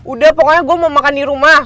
udah pokoknya gue mau makan di rumah